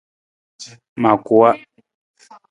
Ma kuwa.